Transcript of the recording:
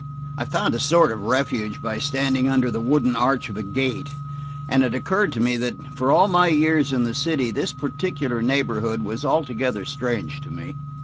I found a sort of refuge by standing under the wooden arch of a gate, and it occurred to me that, for all my years in the city, this particular neighborhood was altogether strange to me.